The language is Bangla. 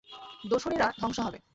দোসরেরা ধ্বংস হবে।